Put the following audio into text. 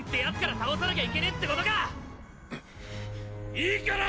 いいから！！